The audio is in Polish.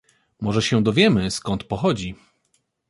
Może się dowiemy, skąd pochodzi.